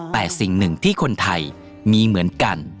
แต่สิ่งหนึ่งที่คนไทยมีเหมือนกัน